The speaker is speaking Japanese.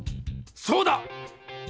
そうだ！